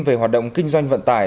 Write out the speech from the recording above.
về hoạt động kinh doanh vận tải